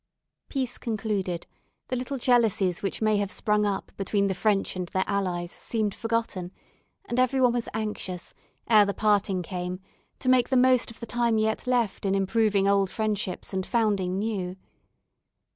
Peace concluded, the little jealousies which may have sprung up between the French and their allies seemed forgotten, and every one was anxious, ere the parting came, to make the most of the time yet left in improving old friendships and founding new.